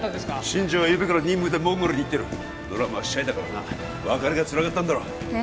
新庄はゆうべから任務でモンゴルに行ってるドラムはシャイだからな別れがつらかったんだろうえ